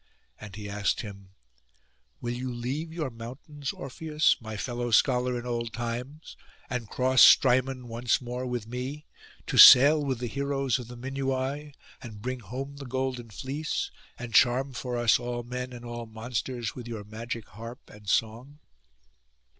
And he asked him, 'Will you leave your mountains, Orpheus, my fellow scholar in old times, and cross Strymon once more with me, to sail with the heroes of the Minuai, and bring home the golden fleece, and charm for us all men and all monsters with your magic harp and song?